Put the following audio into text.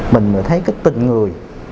mình mới thấy cái tình người